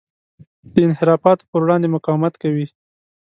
د انحرافاتو پر وړاندې مقاومت کوي.